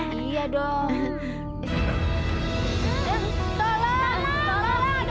hal dia memang